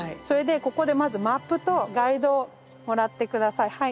それでここでまずマップとガイドをもらって下さい。